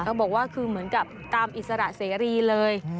บอกว่าคือเหมือนกับตามอิสระเสรีเลย